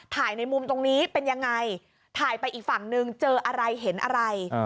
ในมุมตรงนี้เป็นยังไงถ่ายไปอีกฝั่งนึงเจออะไรเห็นอะไร